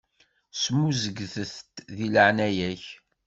Smuzget-d di leɛnaya-k.